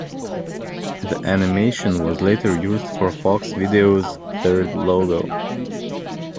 The animation was later used for Fox Video's third logo.